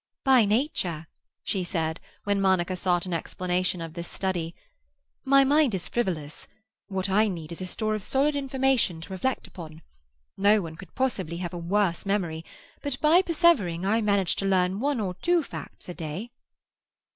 "By nature," she said, when Monica sought an explanation of this study, "my mind is frivolous. What I need is a store of solid information, to reflect upon. No one could possibly have a worse memory, but by persevering I manage to learn one or two facts a day."